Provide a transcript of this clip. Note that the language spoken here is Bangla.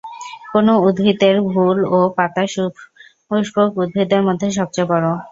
কোন উদ্ভিদের ফুল ও পাতা সপুষ্পক উদ্ভিদের মধ্যে সবচেয়ে বড়?